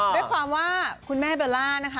ด้วยความว่าคุณแม่เบลล่านะคะ